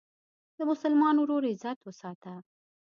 د مسلمان ورور عزت وساته.